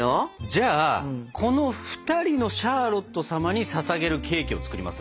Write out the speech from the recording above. じゃあこの２人のシャーロット様にささげるケーキを作ります？